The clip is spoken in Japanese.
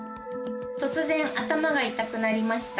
突然頭が痛くなりました。